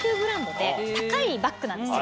高いバッグなんですよ。